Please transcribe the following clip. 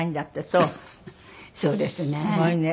そうですね。